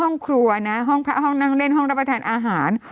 ห้องครัวนะห้องพระห้องนั่งเล่นห้องรับประทานอาหาร